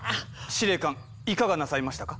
司令官いかがなさいましたか？